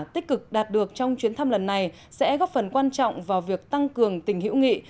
tích cực đạt được trong chuyến thăm lần này sẽ góp phần quan trọng vào việc tăng cường tình hữu nghị